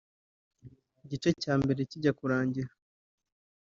Igice cya Mbere kijya kurangira